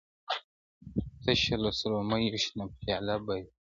تشه له سرو میو شنه پیاله به وي٫